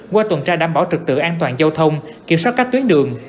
qua tuần tra đảm bảo trực tự an toàn giao thông kiểm soát các tuyến đường